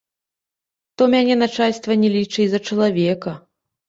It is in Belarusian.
То мяне начальства не лічыла і за чалавека.